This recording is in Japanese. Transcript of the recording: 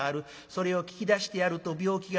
それを聞き出してやると病気が治る。